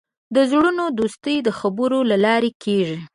د زړونو دوستي د خبرو له لارې کېږي.